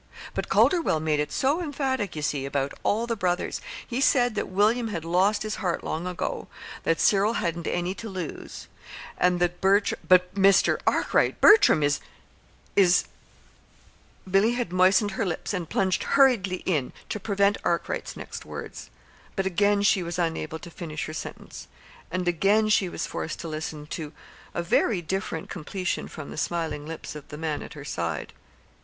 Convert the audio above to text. "But Calderwell made it so emphatic, you see, about all the brothers. He said that William had lost his heart long ago; that Cyril hadn't any to lose; and that Bertram " "But, Mr. Arkwright, Bertram is is " Billy had moistened her lips, and plunged hurriedly in to prevent Arkwright's next words. But again was she unable to finish her sentence, and again was she forced to listen to a very different completion from the smiling lips of the man at her side.